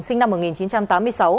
sinh năm một nghìn chín trăm tám mươi sáu